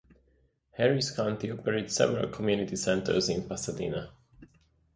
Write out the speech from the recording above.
Harris County operates several community centers in Pasadena.